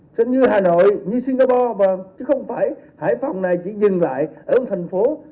so sánh như hà nội như singapore chứ không phải hải phòng này chỉ dừng lại ở một thành phố